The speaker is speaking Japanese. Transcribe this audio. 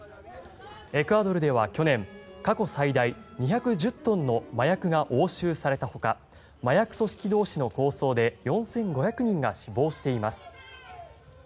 エクアドルでは去年過去最大２１０トンの麻薬が押収されたほか麻薬組織同士の抗争で４５００人が死亡しています。